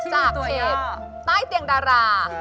จากเพจใต้เตียงดารา